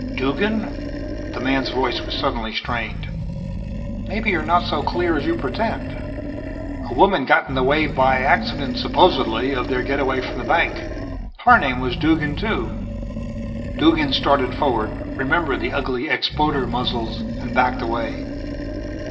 "Duggan?" The man's voice was suddenly strained. "Maybe you're not so clear as you pretend. A woman got in the way by accident, supposedly, of their getaway from the bank. Her name was Duggan too." Duggan started forward, remembered the ugly expoder muzzles and backed away.